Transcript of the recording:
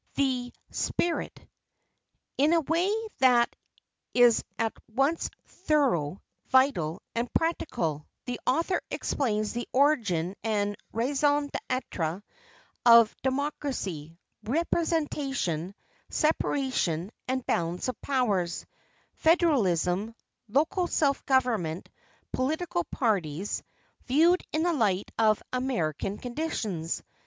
The Spirit." In a way that is at once thorough, vital, and practical, the author explains the origin and raison d'être of democracy, representation, separation and balance of powers, federalism, local self government, political parties; viewed in the light of American conditions.